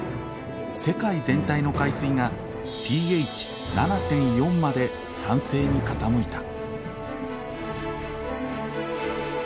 世界全体の海水がｐＨ７．４まで酸性に傾いた。